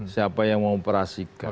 siapa yang mengoperasikan